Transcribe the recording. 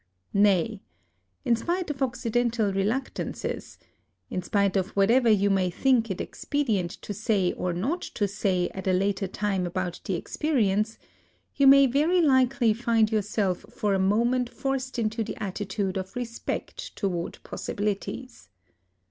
Nay ! in spite of Occidental reluctances, — in spite of whatever you may think it expedient to say or not to say at a later time about the experience, — you may very likely find yourself for a moment forced into the attitude of respect toward possibili ties.